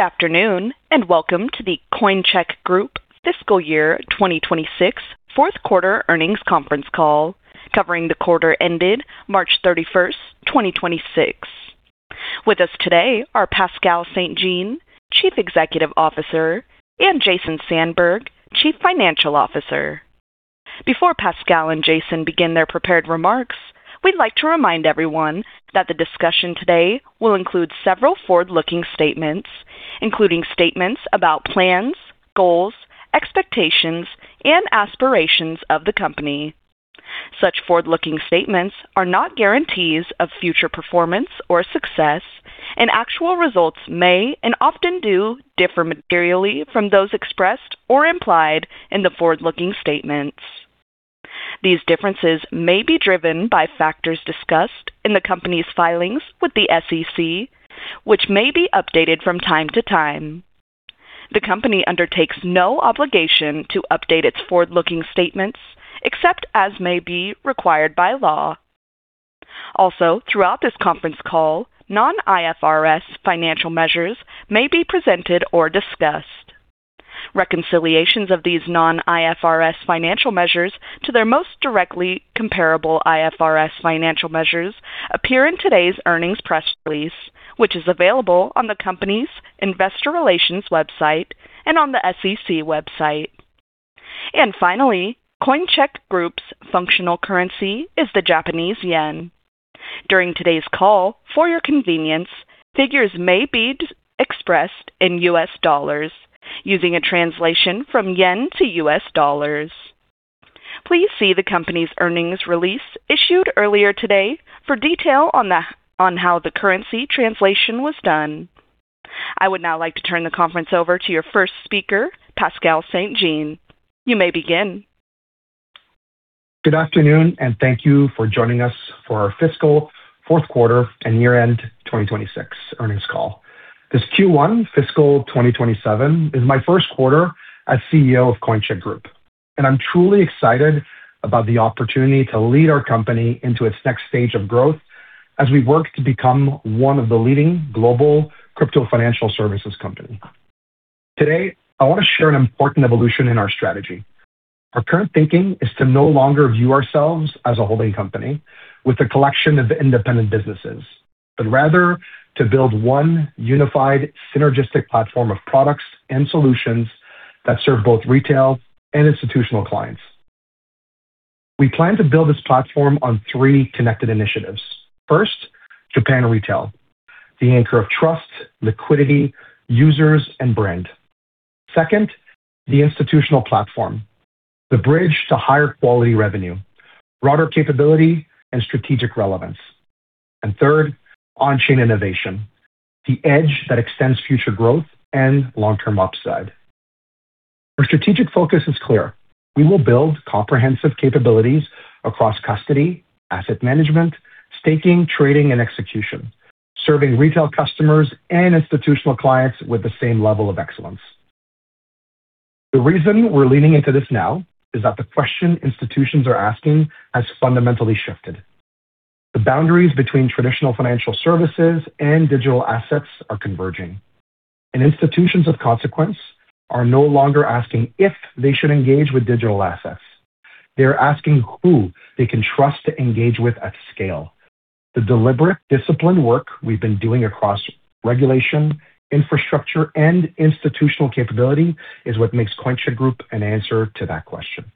Good afternoon, and welcome to the Coincheck Group Fiscal Year 2026 Fourth Quarter Earnings Conference Call covering the quarter ended March 31st, 2026. With us today are Pascal St-Jean, Chief Executive Officer, and Jason Sandberg, Chief Financial Officer. Before Pascal and Jason begin their prepared remarks, we'd like to remind everyone that the discussion today will include several forward-looking statements, including statements about plans, goals, expectations, and aspirations of the company. Such forward-looking statements are not guarantees of future performance or success, and actual results may and often do differ materially from those expressed or implied in the forward-looking statements. These differences may be driven by factors discussed in the company's filings with the SEC, which may be updated from time to time. The company undertakes no obligation to update its forward-looking statements except as may be required by law. Throughout this conference call, non-IFRS financial measures may be presented or discussed. Reconciliations of these non-IFRS financial measures to their most directly comparable IFRS financial measures appear in today's earnings press release, which is available on the company's investor relations website and on the SEC website. Finally, Coincheck Group's functional currency is the Japanese yen. During today's call, for your convenience, figures may be expressed in U.S. dollars using a translation from yen to U.S. dollars. Please see the company's earnings release issued earlier today for detail on how the currency translation was done. I would now like to turn the conference over to your first speaker, Pascal St-Jean. You may begin. Good afternoon, and thank you for joining us for our fiscal fourth quarter and year-end 2026 earnings call. This Q1 fiscal 2027 is my first quarter as CEO of Coincheck Group, and I'm truly excited about the opportunity to lead our company into its next stage of growth as we work to become one of the leading global crypto financial services company. Today, I wanna share an important evolution in our strategy. Our current thinking is to no longer view ourselves as a holding company with a collection of independent businesses, but rather to build one unified synergistic platform of products and solutions that serve both retail and institutional clients. We plan to build this platform on three connected initiatives. First, Japan Retail, the anchor of trust, liquidity, users, and brand. Second, the institutional platform, the bridge to higher quality revenue, broader capability, and strategic relevance. Third, on-chain innovation, the edge that extends future growth and long-term upside. Our strategic focus is clear. We will build comprehensive capabilities across custody, asset management, staking, trading, and execution, serving retail customers and institutional clients with the same level of excellence. The reason we're leaning into this now is that the question institutions are asking has fundamentally shifted. The boundaries between traditional financial services and digital assets are converging, and institutions of consequence are no longer asking if they should engage with digital assets. They're asking who they can trust to engage with at scale. The deliberate disciplined work we've been doing across regulation, infrastructure, and institutional capability is what makes Coincheck Group an answer to that question.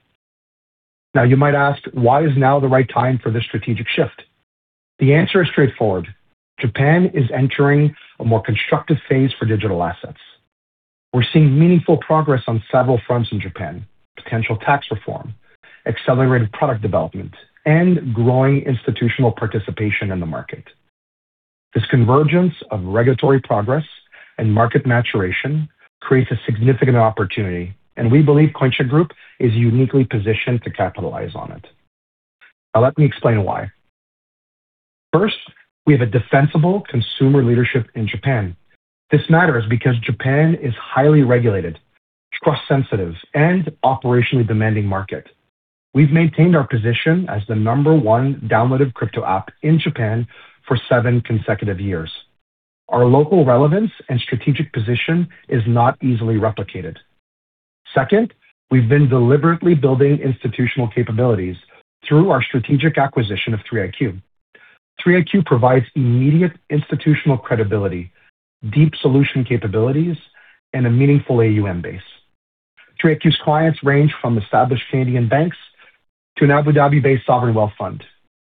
You might ask, why is now the right time for this strategic shift? The answer is straightforward. Japan is entering a more constructive phase for digital assets. We're seeing meaningful progress on several fronts in Japan, potential tax reform, accelerated product development, and growing institutional participation in the market. This convergence of regulatory progress and market maturation creates a significant opportunity, and we believe Coincheck Group is uniquely positioned to capitalize on it. Let me explain why. First, we have a defensible consumer leadership in Japan. This matters because Japan is highly regulated, trust sensitive, and operationally demanding market. We've maintained our position as the number one downloaded crypto app in Japan for seven consecutive years. Our local relevance and strategic position is not easily replicated. Second, we've been deliberately building institutional capabilities through our strategic acquisition of 3iQ. 3iQ provides immediate institutional credibility, deep solution capabilities, and a meaningful AUM base. 3iQ's clients range from established Canadian banks to an Abu Dhabi-based sovereign wealth fund,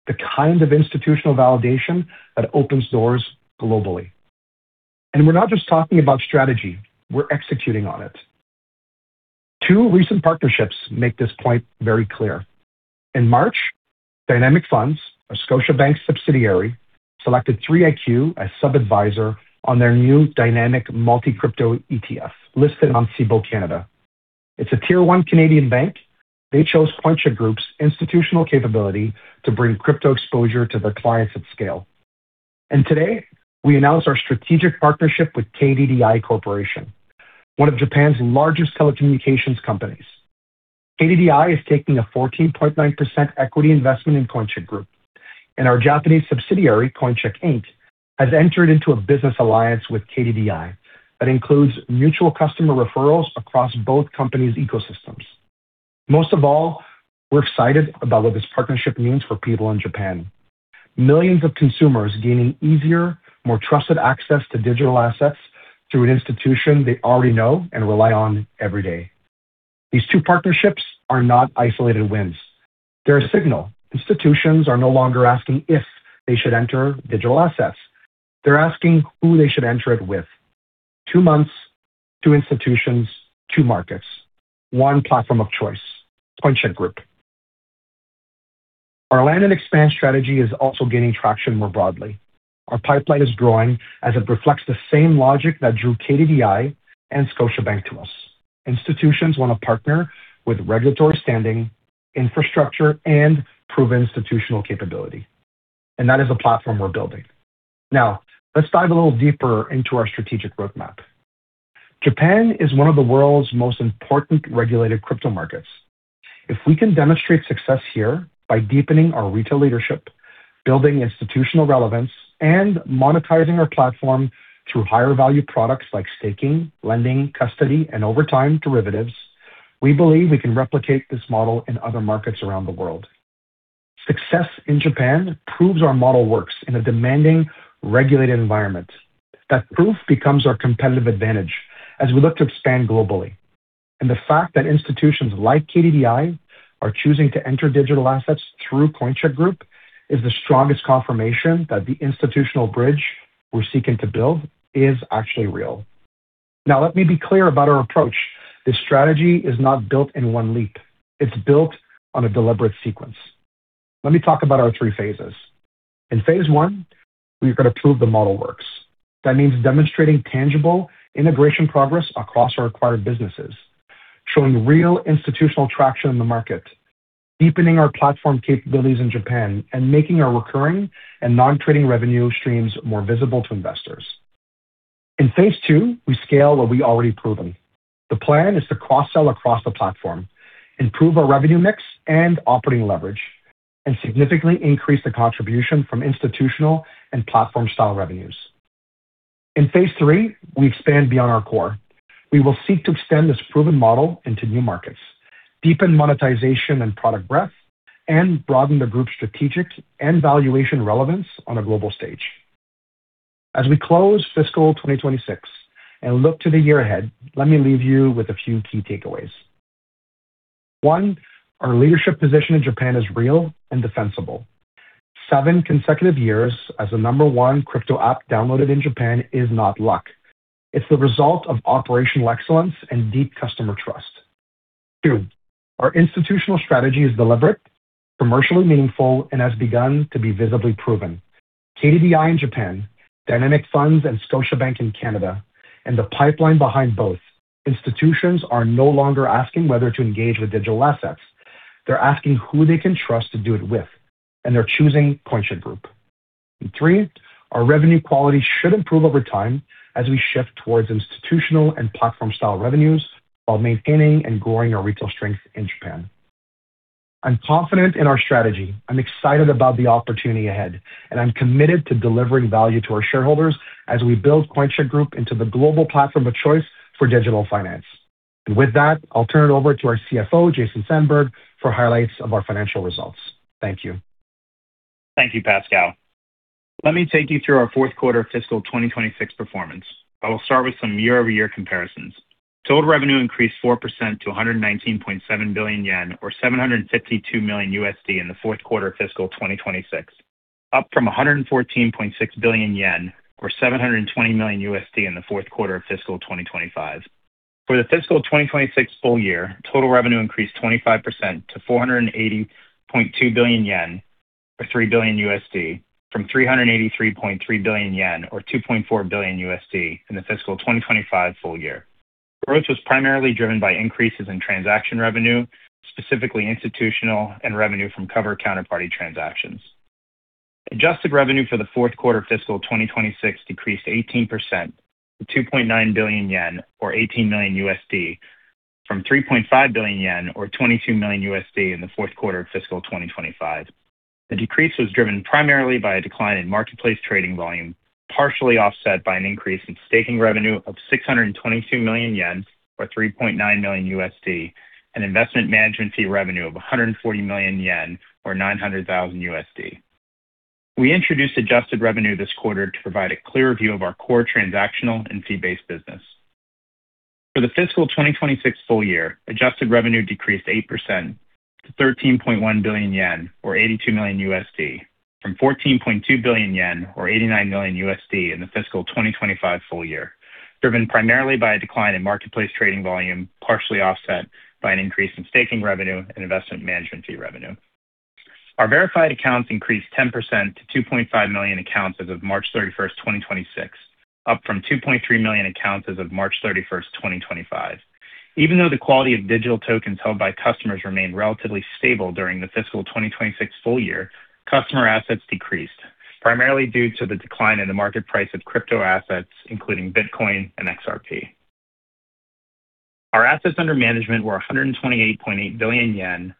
the kind of institutional validation that opens doors globally. We're not just talking about strategy, we're executing on it. Two recent partnerships make this point very clear. In March, Dynamic Funds, a Scotiabank subsidiary, selected 3iQ as sub-advisor on their new Dynamic Multi-Crypto ETF listed on Cboe Canada. It's a tier one Canadian bank. They chose Coincheck Group's institutional capability to bring crypto exposure to their clients at scale. Today, we announce our strategic partnership with KDDI Corporation, one of Japan's largest telecommunications companies. KDDI is taking a 14.9% equity investment in Coincheck Group, and our Japanese subsidiary, Coincheck, Inc., has entered into a business alliance with KDDI that includes mutual customer referrals across both companies' ecosystems. Most of all, we're excited about what this partnership means for people in Japan. Millions of consumers gaining easier, more trusted access to digital assets through an institution they already know and rely on every day. These two partnerships are not isolated wins. They're a signal. Institutions are no longer asking if they should enter digital assets. They're asking who they should enter it with. Two months, two institutions, two markets, one platform of choice, Coincheck Group. Our land and expand strategy is also gaining traction more broadly. Our pipeline is growing as it reflects the same logic that drew KDDI and Scotiabank to us. Institutions want to partner with regulatory standing, infrastructure, and proven institutional capability, and that is a platform we're building. Let's dive a little deeper into our strategic roadmap. Japan is one of the world's most important regulated crypto markets. If we can demonstrate success here by deepening our retail leadership, building institutional relevance, and monetizing our platform through higher value products like staking, lending, custody, and over time, derivatives, we believe we can replicate this model in other markets around the world. Success in Japan proves our model works in a demanding, regulated environment. That proof becomes our competitive advantage as we look to expand globally. The fact that institutions like KDDI are choosing to enter digital assets through Coincheck Group is the strongest confirmation that the institutional bridge we're seeking to build is actually real. Now, let me be clear about our approach. This strategy is not built in one leap. It's built on a deliberate sequence. Let me talk about our three phases. In phase one, we've got to prove the model works. That means demonstrating tangible integration progress across our acquired businesses, showing real institutional traction in the market, deepening our platform capabilities in Japan, and making our recurring and non-trading revenue streams more visible to investors. In phase two, we scale what we already proven. The plan is to cross-sell across the platform, improve our revenue mix and operating leverage, and significantly increase the contribution from institutional and platform-style revenues. In phase three, we expand beyond our core. We will seek to extend this proven model into new markets, deepen monetization and product breadth, and broaden the group's strategic and valuation relevance on a global stage. As we close fiscal 2026 and look to the year ahead, let me leave you with a few key takeaways. One, our leadership position in Japan is real and defensible. Seven consecutive years as the number one crypto app downloaded in Japan is not luck. It's the result of operational excellence and deep customer trust. Two, our institutional strategy is deliberate, commercially meaningful, and has begun to be visibly proven. KDDI in Japan, Dynamic Funds and Scotiabank in Canada, and the pipeline behind both institutions are no longer asking whether to engage with digital assets. They're asking who they can trust to do it with, and they're choosing Coincheck Group. Three, our revenue quality should improve over time as we shift towards institutional and platform-style revenues while maintaining and growing our retail strength in Japan. I'm confident in our strategy. I'm excited about the opportunity ahead, and I'm committed to delivering value to our shareholders as we build Coincheck Group into the global platform of choice for digital finance. With that, I'll turn it over to our CFO, Jason Sandberg, for highlights of our financial results. Thank you. Thank you, Pascal. Let me take you through our fourth quarter fiscal 2026 performance. I will start with some year-over-year comparisons. Total revenue increased 4% to 119.7 billion yen, or $752 million in the fourth quarter of fiscal 2026, up from 114.6 billion yen or $720 million in the fourth quarter of fiscal 2025. For the fiscal 2026 full year, total revenue increased 25% to 480.2 billion yen or $3 billion from 383.3 billion yen or $2.4 billion in the fiscal 2025 full year. Growth was primarily driven by increases in transaction revenue, specifically institutional and revenue from cover counterparty transactions. Adjusted revenue for the fourth quarter of fiscal 2026 decreased 18% to 2.9 billion yen or $18 million from 3.5 billion yen or $22 million in the fourth quarter of fiscal 2025. The decrease was driven primarily by a decline in marketplace trading volume, partially offset by an increase in staking revenue of 622 million yen or $3.9 million and investment management fee revenue of 140 million yen or $900,000. We introduced adjusted revenue this quarter to provide a clearer view of our core transactional and fee-based business. For the fiscal 2026 full year, adjusted revenue decreased 8% to 13.1 billion yen, or $82 million, from 14.2 billion yen, or $89 million in the fiscal 2025 full year, driven primarily by a decline in marketplace trading volume, partially offset by an increase in staking revenue and investment management fee revenue. Our verified accounts increased 10% to 2.5 million accounts as of March 31st, 2026, up from 2.3 million accounts as of March 31st, 2025. Even though the quality of digital tokens held by customers remained relatively stable during the fiscal 2026 full year, customer assets decreased. Primarily due to the decline in the market price of crypto assets, including Bitcoin and XRP. Our assets under management were 128.8 billion yen,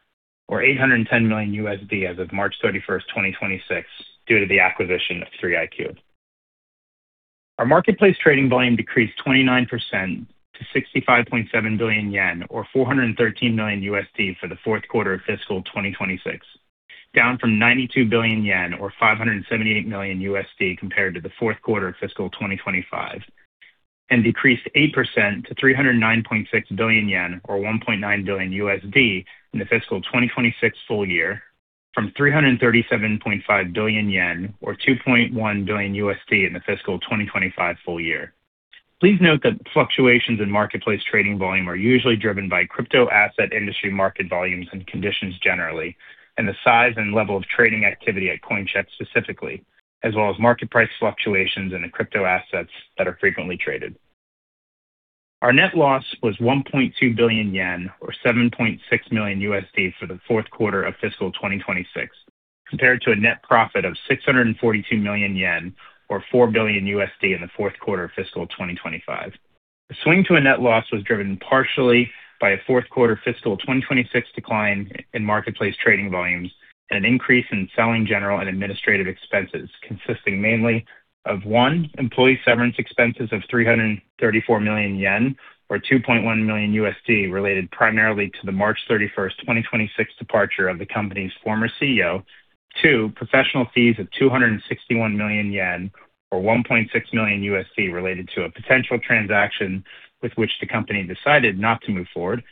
or $810 million as of March 31st, 2026, due to the acquisition of 3iQ. Our marketplace trading volume decreased 29% to 65.7 billion yen, or $413 million for the fourth quarter of fiscal 2026, down from 92 billion yen or $578 million compared to the fourth quarter of fiscal 2025, and decreased 8% to 309.6 billion yen, or $1.9 billion in the fiscal 2026 full year from 337.5 billion yen, or $2.1 billion in the fiscal 2025 full year. Please note that fluctuations in marketplace trading volume are usually driven by crypto asset industry market volumes and conditions generally, and the size and level of trading activity at Coincheck specifically, as well as market price fluctuations in the crypto assets that are frequently traded. Our net loss was 1.2 billion yen, or $7.6 million for the fourth quarter of fiscal 2026, compared to a net profit of 642 million yen or $4 billion in the fourth quarter of fiscal 2025. The swing to a net loss was driven partially by a fourth quarter fiscal 2026 decline in marketplace trading volumes and an increase in selling general and administrative expenses, consisting mainly of, one, employee severance expenses of 334 million yen, or $2.1 million, related primarily to the March 31st, 2026 departure of the company's former CEO. Two, professional fees of 261 million yen, or $1.6 million, related to a potential transaction with which the company decided not to move forward.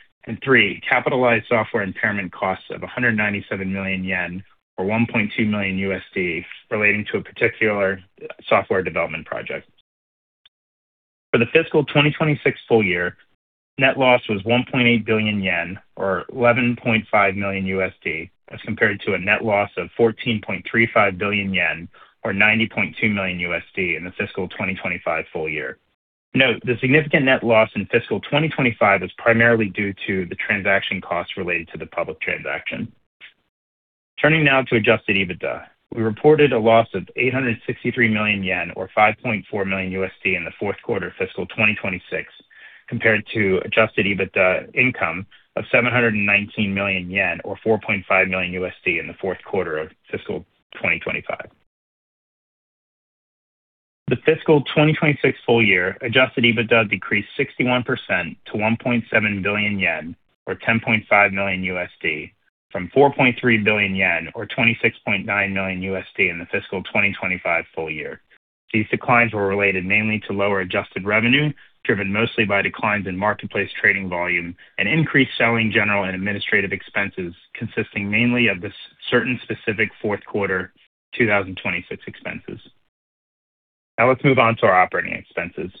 Three, capitalized software impairment costs of 197 million yen, or $1.2 million, relating to a particular software development project. For the fiscal 2026 full year, net loss was 1.8 billion yen or $11.5 million as compared to a net loss of 14.35 billion yen or $90.2 million in the fiscal 2025 full year. Note the significant net loss in fiscal 2025 was primarily due to the transaction costs related to the public transaction. Turning now to adjusted EBITDA. We reported a loss of 863 million yen, or $5.4 million in the fourth quarter fiscal 2026, compared to adjusted EBITDA income of 719 million yen, or $4.5 million in the fourth quarter of fiscal 2025. The fiscal 2026 full year adjusted EBITDA decreased 61% to 1.7 billion yen, or $10.5 million from 4.3 billion yen or $26.9 million in the fiscal 2025 full year. These declines were related mainly to lower adjusted revenue, driven mostly by declines in marketplace trading volume and increased selling, general and administrative expenses, consisting mainly of the certain specific fourth quarter 2026 expenses. Now let's move on to our operating expenses.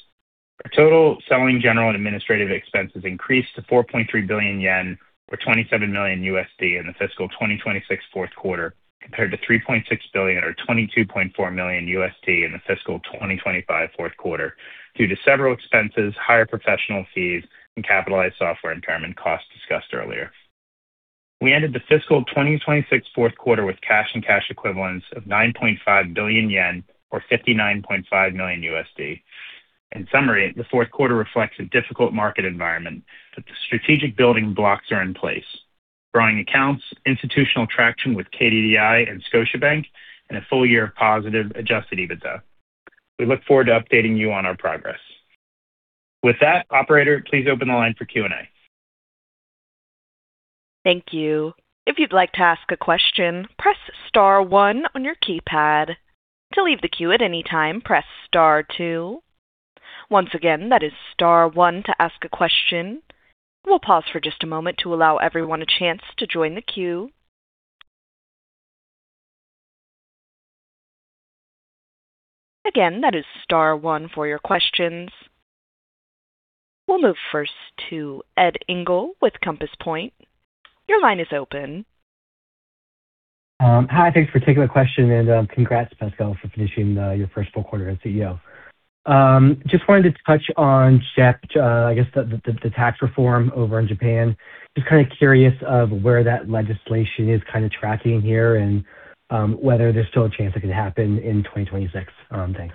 Our total selling, general, and administrative expenses increased to 4.3 billion yen, or $27 million in the fiscal 2026 fourth quarter, compared to 3.6 billion or $22.4 million in the fiscal 2025 fourth quarter due to several expenses, higher professional fees, and capitalized software impairment costs discussed earlier. We ended the fiscal 2026 fourth quarter with cash and cash equivalents of 9.5 billion yen, or $59.5 million. In summary, the fourth quarter reflects a difficult market environment, but the strategic building blocks are in place. Growing accounts, institutional traction with KDDI and Scotiabank, and a full year of positive adjusted EBITDA. We look forward to updating you on our progress. With that, operator, please open the line for Q&A. We'll move first to Ed Engel with Compass Point. Hi. Thanks for taking the question and congrats, Pascal, for finishing your first full quarter as CEO. Just wanted to touch on Coincheck, I guess the tax reform over in Japan. Just kind of curious of where that legislation is kind of tracking here and whether there's still a chance it could happen in 2026. Thanks.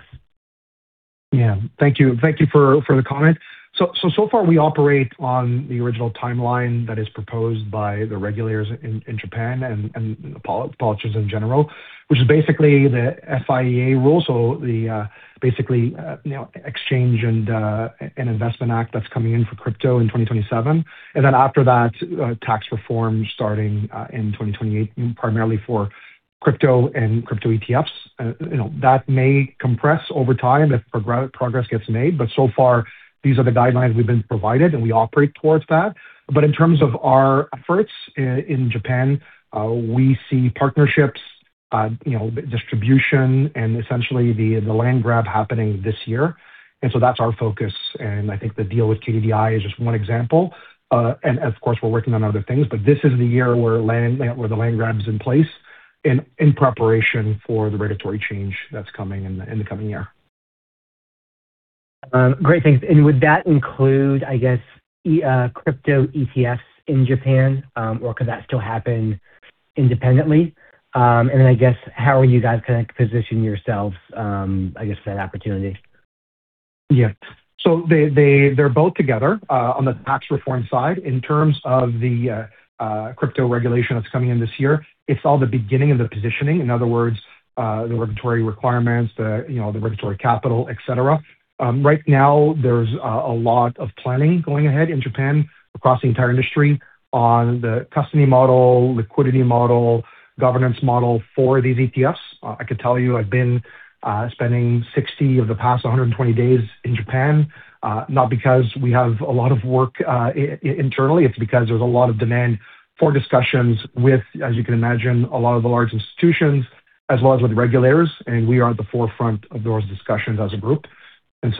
Yeah. Thank you. Thank you for the comment. So far we operate on the original timeline that is proposed by the regulators in Japan and the politicians in general, which is basically the FIEA rule. The basically, you know, exchange and investment act that's coming in for crypto in 2027. After that, tax reform starting in 2028, primarily for crypto and crypto ETFs. You know, that may compress over time if progress gets made, but so far these are the guidelines we've been provided, and we operate towards that. In terms of our efforts in Japan, we see partnerships, you know, distribution and essentially the land grab happening this year. That's our focus. I think the deal with KDDI is just one example. Of course we're working on other things, this is the year where the land grab is in place in preparation for the regulatory change that's coming in the coming year. Great, thanks. Would that include, I guess, crypto ETFs in Japan, or could that still happen independently? I guess how are you guys gonna position yourselves, I guess for that opportunity? Yeah. They're both together on the tax reform side. In terms of the crypto regulation that's coming in this year, it's all the beginning of the positioning. In other words, the regulatory requirements, the, you know, the regulatory capital, et cetera. Right now, there's a lot of planning going ahead in Japan across the entire industry on the custody model, liquidity model, governance model for these ETFs. I could tell you I've been spending 60 of the past 120 days in Japan, not because we have a lot of work internally, it's because there's a lot of demand for discussions with, as you can imagine, a lot of the large institutions, as well as with regulators, and we are at the forefront of those discussions as a group.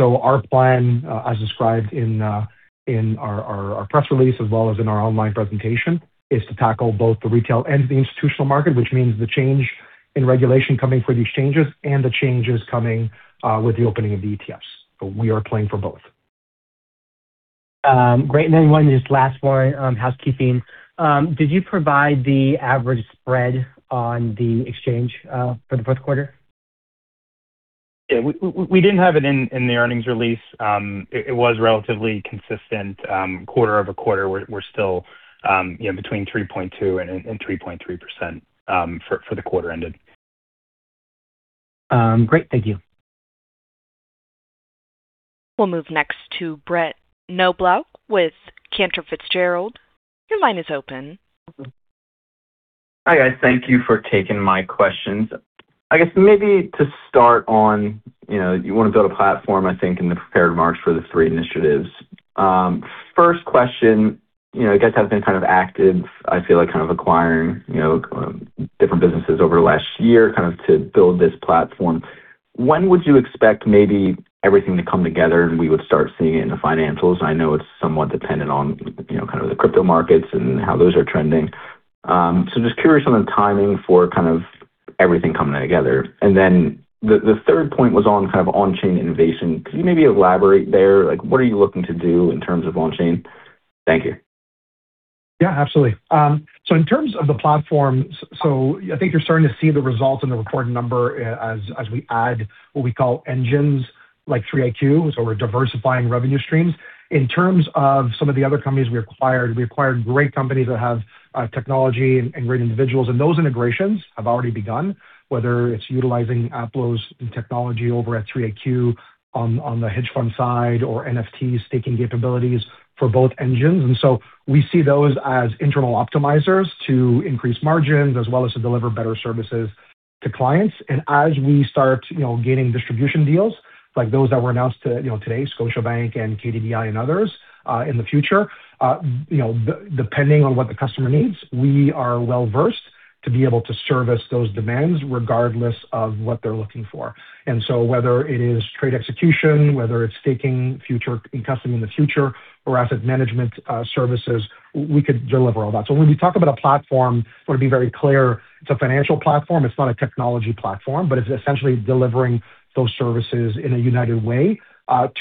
Our plan, as described in our press release as well as in our online presentation, is to tackle both the retail and the institutional market, which means the change in regulation coming for the exchanges and the changes coming, with the opening of the ETFs. We are planning for both. Great. One, just last one on housekeeping. Did you provide the average spread on the exchange for the fourth quarter? Yeah. We didn't have it in the earnings release. It was relatively consistent, quarter-over-quarter. We're still, you know, between 3.2% and 3.3%, for the quarter ended. Great. Thank you. We'll move next to Brett Knoblauch with Cantor Fitzgerald. Your line is open. Hi, guys. Thank you for taking my questions. I guess maybe to start on, you know, you wanna build a platform, I think, in the prepared remarks for the three initiatives. First question, you know, you guys have been kind of active, I feel like, kind of acquiring, you know, different businesses over the last year, kind of to build this platform. When would you expect maybe everything to come together and we would start seeing it in the financials? I know it's somewhat dependent on, you know, kind of the crypto markets and how those are trending. Just curious on the timing for kind of everything coming together. Then the third point was on kind of on-chain innovation. Could you maybe elaborate there? Like, what are you looking to do in terms of on-chain? Thank you. Yeah, absolutely. In terms of the platform, I think you're starting to see the results in the reported number as we add what we call engines like 3iQ, so we're diversifying revenue streams. In terms of some of the other companies we acquired, we acquired great companies that have technology and great individuals, and those integrations have already begun, whether it's utilizing Aplo's technology over at 3iQ on the hedge fund side or NFT staking capabilities for both engines. We see those as internal optimizers to increase margins as well as to deliver better services to clients. As we start, you know, gaining distribution deals like those that were announced to, you know, today, Scotiabank and KDDI and others in the future, you know, depending on what the customer needs, we are well-versed to be able to service those demands regardless of what they're looking for. Whether it is trade execution, whether it's staking in the future or asset management services, we could deliver all that. When we talk about a platform, want to be very clear, it's a financial platform, it's not a technology platform, but it's essentially delivering those services in a united way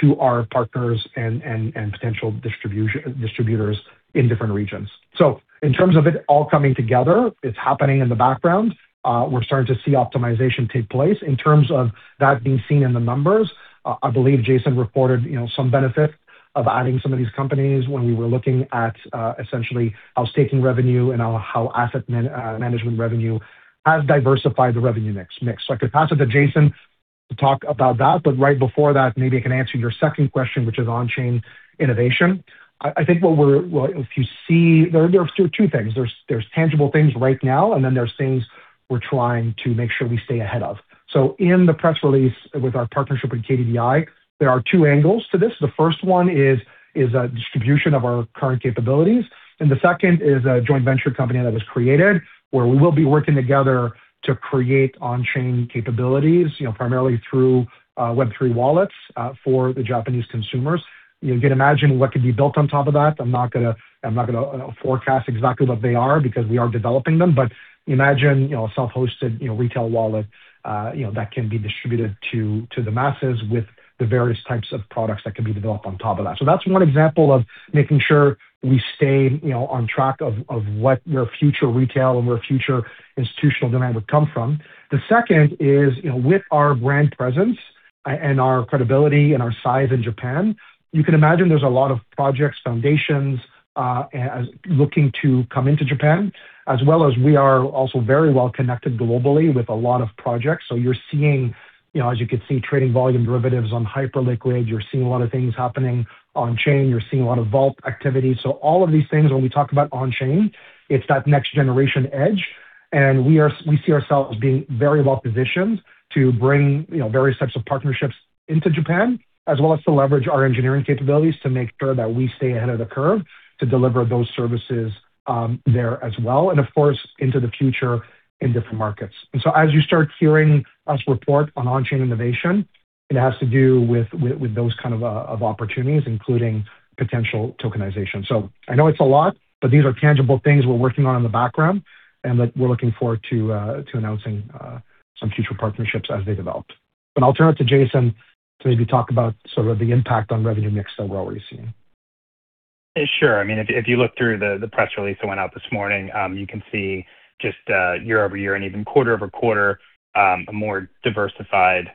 to our partners and potential distributors in different regions. In terms of it all coming together, it's happening in the background. We're starting to see optimization take place. In terms of that being seen in the numbers, I believe Jason reported, you know, some benefit of adding some of these companies when we were looking at, essentially how staking revenue and how asset management revenue has diversified the revenue mix. I could pass it to Jason to talk about that, but right before that, maybe I can answer your second question, which is on-chain innovation. I think what you see There are two things. There's tangible things right now, and then there's things we're trying to make sure we stay ahead of. In the press release with our partnership with KDDI, there are two angles to this. The first one is a distribution of our current capabilities. The second is a joint venture company that was created where we will be working together to create on-chain capabilities, you know, primarily through web3 wallets for the Japanese consumers. You can imagine what could be built on top of that. I'm not gonna forecast exactly what they are because we are developing them. Imagine, you know, a self-hosted, you know, retail wallet, you know, that can be distributed to the masses with the various types of products that can be developed on top of that. That's one example of making sure we stay, you know, on track of what your future retail and where future institutional demand would come from. The second is, you know, with our brand presence and our credibility and our size in Japan, you can imagine there's a lot of projects, foundations, as looking to come into Japan, as well as we are also very well connected globally with a lot of projects. You're seeing, you know, as you can see, trading volume derivatives on Hyperliquid, you're seeing a lot of things happening on-chain, you're seeing a lot of vault activity. All of these things when we talk about on-chain, it's that next generation edge, and we see ourselves being very well positioned to bring, you know, various types of partnerships into Japan, as well as to leverage our engineering capabilities to make sure that we stay ahead of the curve to deliver those services, there as well, and of course, into the future in different markets. As you start hearing us report on on-chain innovation, it has to do with those kind of opportunities, including potential tokenization. I know it's a lot, but these are tangible things we're working on in the background and that we're looking forward to announcing some future partnerships as they develop. I'll turn it to Jason to maybe talk about sort of the impact on revenue mix that we're already seeing. Sure. I mean, if you look through the press release that went out this morning, you can see just year-over-year and even quarter-over-quarter, a more diversified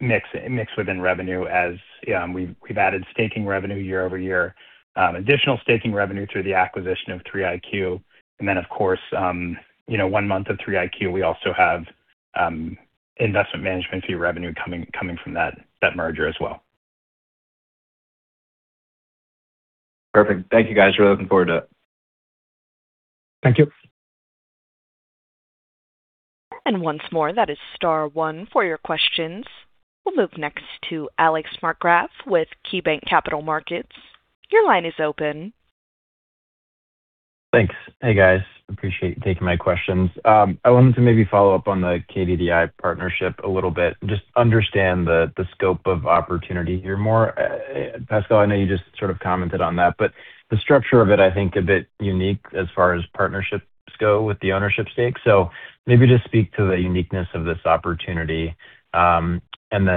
mix within revenue as we've added staking revenue year-over-year. Additional staking revenue through the acquisition of 3iQ. Then, of course, you know, one month of 3iQ, we also have investment management fee revenue coming from that merger as well. Perfect. Thank you, guys. Really looking forward to it. Thank you. Once more, that is star one for your questions. We'll move next to Alex Markgraff with KeyBanc Capital Markets. Your line is open. Thanks. Hey, guys. Appreciate you taking my questions. I wanted to maybe follow up on the KDDI partnership a little bit, just understand the scope of opportunity here more. Pascal, I know you just sort of commented on that, but the structure of it, I think, a bit unique as far as partnerships go with the ownership stake. Maybe just speak to the uniqueness of this opportunity.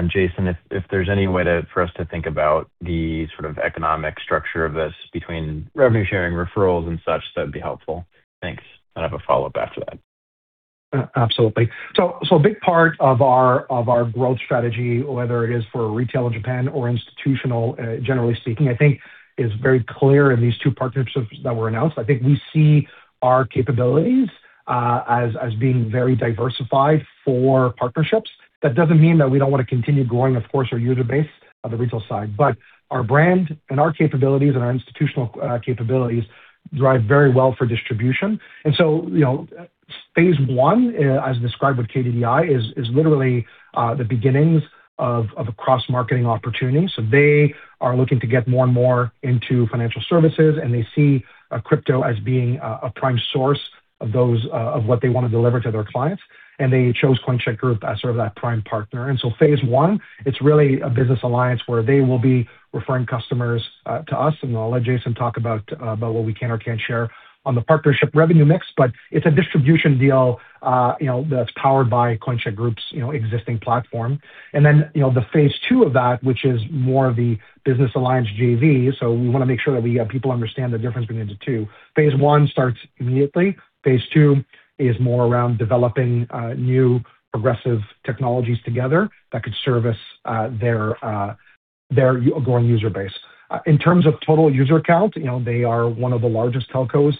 Jason, if there's any way to for us to think about the sort of economic structure of this between revenue sharing referrals and such, that'd be helpful. Thanks. I have a follow back to that. Absolutely. A big part of our, of our growth strategy, whether it is for retail in Japan or institutional, generally speaking, I think is very clear in these two partnerships that were announced. I think we see our capabilities as being very diversified for partnerships. Doesn't mean that we don't wanna continue growing, of course, our user base on the retail side. Our brand and our capabilities and our institutional capabilities drive very well for distribution. You know, phase one, as described with KDDI, is literally the beginnings of a cross-marketing opportunity. They are looking to get more and more into financial services, and they see crypto as being a prime source of those of what they wanna deliver to their clients. They chose Coincheck Group as sort of that prime partner. Phase one, it's really a business alliance where they will be referring customers to us, and I'll let Jason talk about what we can or can't share on the partnership revenue mix. It's a distribution deal, you know, that's powered by Coincheck Group's, you know, existing platform. You know, the phase two of that, which is more of the business alliance JV. We wanna make sure that we people understand the difference between the two. Phase one starts immediately. Phase two is more around developing new progressive technologies together that could service their growing user base. In terms of total user count, you know, they are one of the largest telcos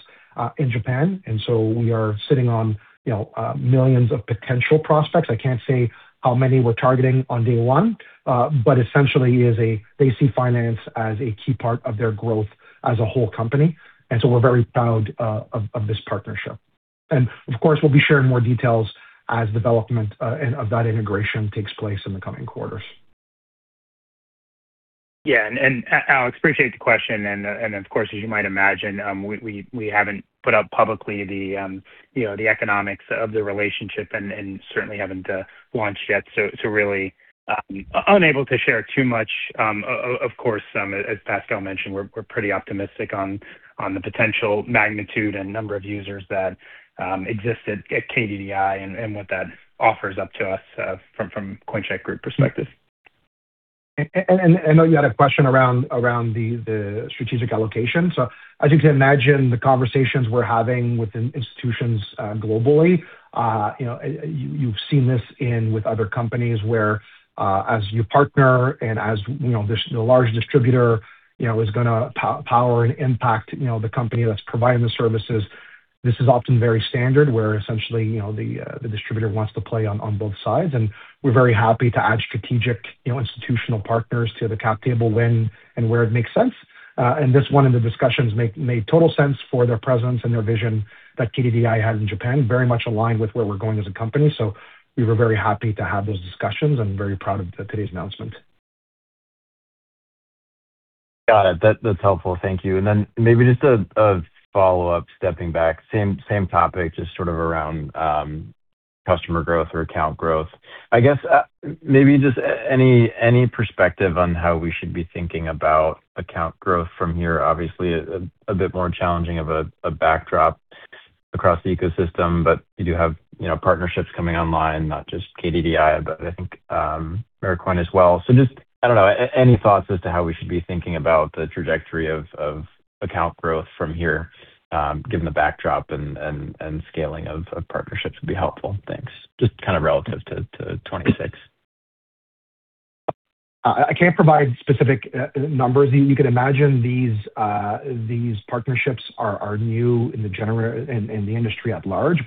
in Japan, and so we are sitting on, you know, millions of potential prospects. I can't say how many we're targeting on day one, but essentially, they see finance as a key part of their growth as a whole company. We're very proud of this partnership. Of course, we'll be sharing more details as development and of that integration takes place in the coming quarters. Yeah. Alex, appreciate the question. Of course, as you might imagine, we haven't put out publicly, you know, the economics of the relationship and certainly haven't launched yet. Really, unable to share too much. Of course, as Pascal mentioned, we're pretty optimistic on the potential magnitude and number of users that exist at KDDI and what that offers up to us from Coincheck Group perspective. I know you had a question around the strategic allocation. As you can imagine, the conversations we're having within institutions, globally, you know, you've seen this in with other companies where, as you partner and as you know, this, the large distributor, you know, is gonna power and impact, you know, the company that's providing the services. This is often very standard, where essentially, you know, the distributor wants to play on both sides. We're very happy to add strategic, you know, institutional partners to the cap table when and where it makes sense. This one in the discussions made total sense for their presence and their vision that KDDI has in Japan, very much aligned with where we're going as a company. We were very happy to have those discussions and very proud of today's announcement. Got it. That's helpful. Thank you. Maybe just a follow-up, stepping back. Same topic, just sort of around customer growth or account growth. I guess, maybe just any perspective on how we should be thinking about account growth from here. Obviously a bit more challenging of a backdrop across the ecosystem, but you do have, you know, partnerships coming online, not just KDDI, but I think Mercoin as well. Just, I don't know, any thoughts as to how we should be thinking about the trajectory of account growth from here, given the backdrop and scaling of partnerships would be helpful. Thanks. Just kind of relative to 2026. I can't provide specific numbers. You can imagine these partnerships are new in the industry at large.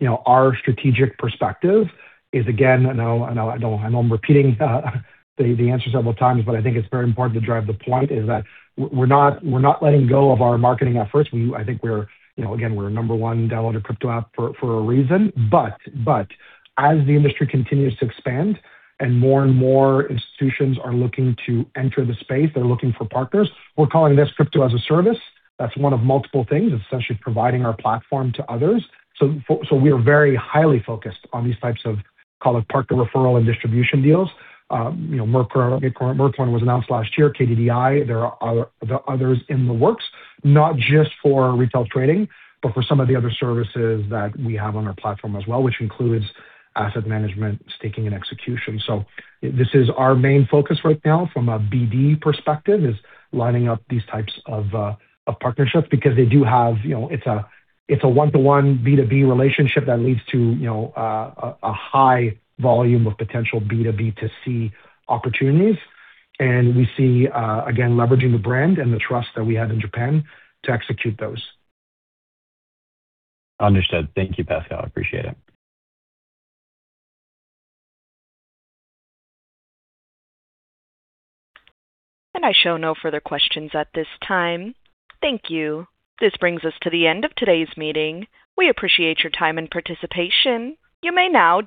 You know, our strategic perspective is, again, I know I'm repeating the answer several times, but I think it's very important to drive the point, is that we're not letting go of our marketing efforts. I think we're, you know, again, we're number one downloaded crypto app for a reason. As the industry continues to expand and more and more institutions are looking to enter the space, they're looking for partners. We're calling this Crypto as a Service. That's one of multiple things. It's essentially providing our platform to others. We are very highly focused on these types of, call it partner referral and distribution deals. You know, Mercoin was announced last year, KDDI. There are others in the works, not just for retail trading, but for some of the other services that we have on our platform as well, which includes asset management, staking and execution. This is our main focus right now from a BD perspective, is lining up these types of partnerships, because they do have, you know, it's a, it's a one-to-one B2B relationship that leads to, you know, a high volume of potential B2B2C opportunities. We see, again, leveraging the brand and the trust that we have in Japan to execute those. Understood. Thank you, Pascal. Appreciate it. I show no further questions at this time. Thank you. This brings us to the end of today's meeting. We appreciate your time and participation.